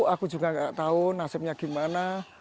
aku juga gak tahu nasibnya gimana